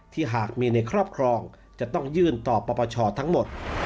หากมีในครอบครองจะต้องยื่นต่อปปชทั้งหมด